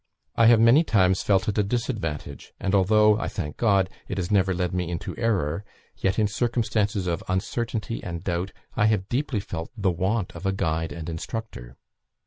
I have many times felt it a disadvantage, and although, I thank God, it has never led me into error, yet, in circumstances of uncertainty and doubt, I have deeply felt the want of a guide and instructor."